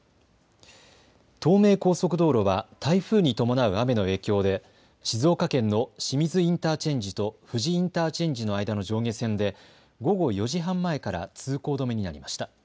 東名高速道路は台風に伴う雨の影響で静岡県の清水インターチェンジと富士インターチェンジの間の上下線で午後４時半前から通行止めになりました。